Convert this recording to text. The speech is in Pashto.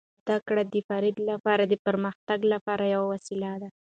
زده کړه د فرد لپاره د پرمختګ لپاره یوه وسیله ده.